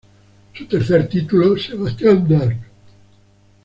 Un tercer título, "Sebastian Darke.